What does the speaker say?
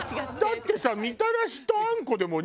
だってさ。